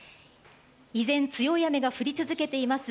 依然、強い雨が降り続けています